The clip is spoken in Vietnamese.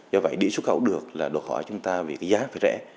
do vậy để xuất khẩu được là đột hỏi chúng ta về cái giá phải rẻ